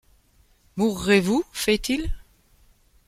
Mourrez-vous ? feit-il.